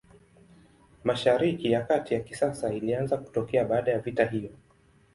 Mashariki ya Kati ya kisasa ilianza kutokea baada ya vita hiyo.